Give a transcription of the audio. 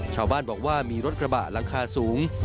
ชาวบ้านบอกว่ามีรถกระบะหลังคาสูง